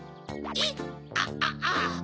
えっ？